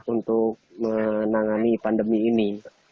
untuk menangani pandemi ini